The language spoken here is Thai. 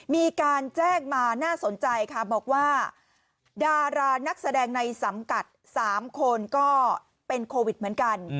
มีการแจ้งมาน่าสนใจค่ะบอกว่าดารานักแสดงในสังกัด๓คนก็เป็นโควิดเหมือนกัน